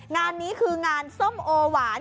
งานนี้คืองานส้มโอหวาน